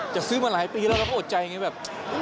จะซื้อมาหลายปีแล้วแล้วเขาอดใจอย่างนี้แบบ